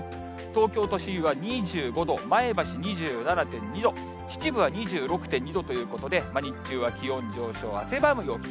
東京都心は２５度、前橋２７．２度、秩父は２６．２度ということで、日中は気温上昇、汗ばむ陽気。